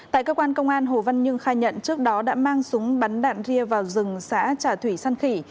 tại cơ quan công an hồ văn nhưng khai nhận trước đó đã mang súng bắn đạn gia vào rừng xã trà thủy săn khỉ